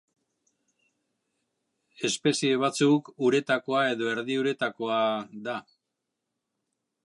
Espezie batzuk uretakoa edo erdi-uretakoa da.